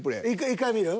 １回見る？